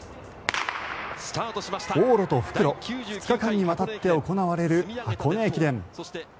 往路と復路２日間にわたって行われる箱根駅伝。